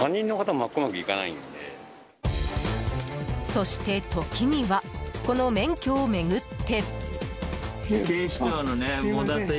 そして、時にはこの免許を巡って。